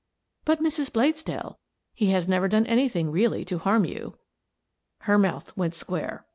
" But, Mrs. Bladesdell, he has never done any thing really to harm you." Her mouth went square.